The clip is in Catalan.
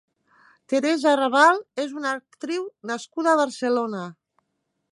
Teresa Rabal és una actriu nascuda a Barcelona.